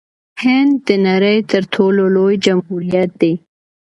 هند د نړۍ تر ټولو لوی جمهوریت دی.